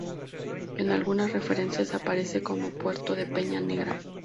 En algunas referencias aparece como puerto de Peña Negra.